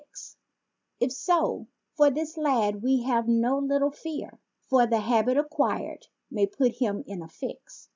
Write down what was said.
If so, for this lad we have no little fear. For the habit acquired may put him in a fix.